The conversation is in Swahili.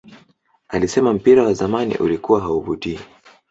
Alisema mpira wa zamani ulikuwa hauvutii